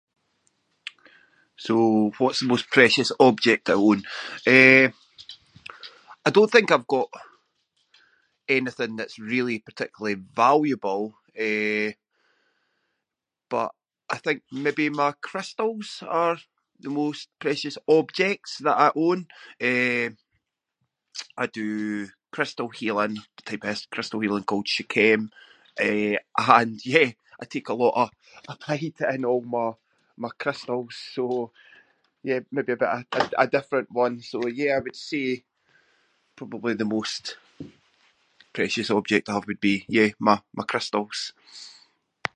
So what’s the most precious object I own? Eh, I don’t think I've got anything that’s really particularly valuable. Eh, but I think maybe my crystals are the most precious objects that I own. Eh, I do crystal healing, type of crystal healing called [inc] eh, and yeah, a take a lot of- of pride in all my- my crystals, so yeah, maybe a bit of a- a different one, so yeah, I would say probably the most precious object I have would be, yeah, my- my crystals.